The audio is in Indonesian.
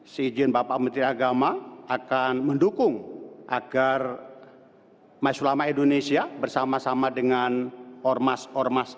sejen bapa menteri agama akan mendukung agar mas mas pula indonesia bersama sama dengan ormas ormas